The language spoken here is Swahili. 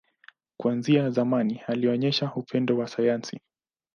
Kuanzia zamani, alionyesha upendo wa sayansi.